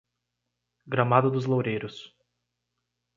Gramado dos Loureiros